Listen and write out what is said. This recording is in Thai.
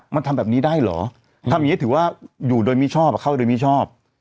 มันทำแบบนี้ได้เหรอทำอย่างนี้ถือว่าอยู่โดยมิชอบเข้าโดยมิชอบ